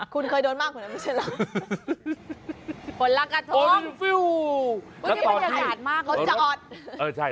คุณเคยโดนมากเหมือนนั้นไม่ใช่แล้วคนรักกระทงโอ้ยฟิ้วตอนนี้บรรยากาศมาก